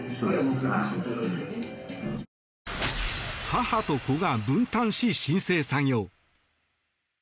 母と子が分担し、申請作業。